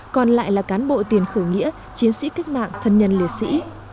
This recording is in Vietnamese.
còn lại là cán bộ tiền khởi nghĩa chiến sĩ cách mạng thân nhân liệt sĩ